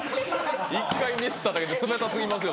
１回ミスっただけで冷た過ぎますよ